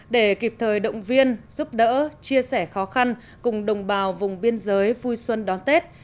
để kịp thời động viên giúp đỡ chia sẻ khó khăn cùng đồng bào vùng biên giới vui xuân đón tết